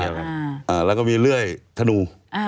มีดโต้แล้วก็มีเลื่อยถนู